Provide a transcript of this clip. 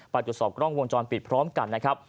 ไปตรวจสอบกล้องวงจรปิดพร้อมกันนะครับ